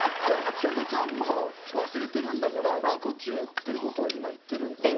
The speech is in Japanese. ちさ子ちゃんも忘れてるんだから自己中っていう事を今言ってるんですよ。です。